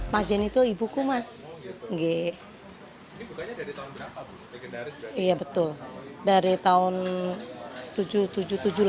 mas jen itu ibuku mas ini bukannya dari tahun berapa bu legendaris berarti iya betul